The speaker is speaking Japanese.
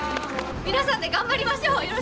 皆さんで頑張りましょう！